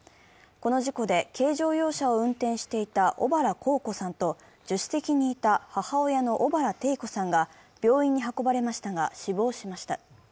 この事故で、軽乗用車を運転していた小原幸子さんと助手席にいた母親の小原テイ子さんが病院に運ばれましたが死亡しました。